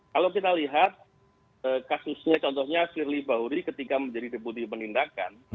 kalau kita lihat kasusnya contohnya firly bahuri ketika menjadi deputi penindakan